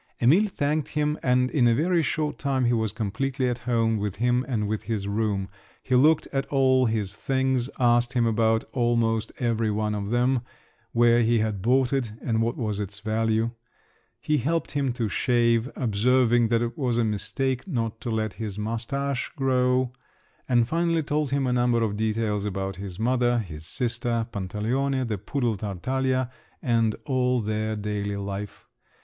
Emil thanked him, and in a very short time he was completely at home with him and with his room; he looked at all his things, asked him about almost every one of them, where he had bought it, and what was its value. He helped him to shave, observing that it was a mistake not to let his moustache grow; and finally told him a number of details about his mother, his sister, Pantaleone, the poodle Tartaglia, and all their daily life.